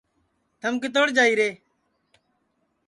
تھم کِتوڑ جائیرے